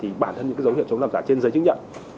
thì bản thân những dấu hiệu chống làm giả trên giấy chứng nhận